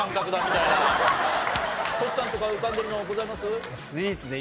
としさんとか浮かんでるのございます？